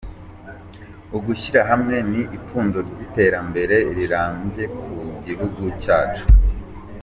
Ugushyira hamwe ni ipfundo ry'iterambere rirambye ku gihugu cyacu.